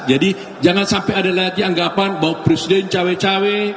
jadi jangan sampai ada lagi anggapan bahwa presiden cawe cawe